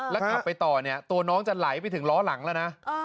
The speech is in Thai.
แล้วขับไปต่อเนี่ยตัวน้องจะไหลไปถึงล้อหลังแล้วนะ